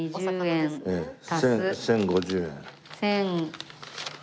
１０５０円足す。